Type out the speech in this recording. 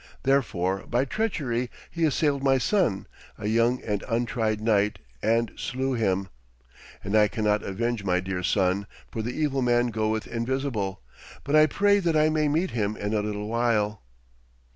Therefore by treachery he assailed my son, a young and untried knight, and slew him. And I cannot avenge my dear son, for the evil man goeth invisible. But I pray that I may meet him in a little while.'